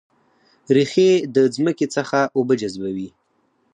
ریښې د ځمکې څخه اوبه جذبوي